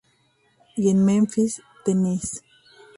Y en memphis Tennessee.